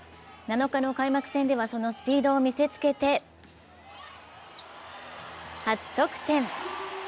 ７日の開幕戦では、そのスピードを見せつけて初得点。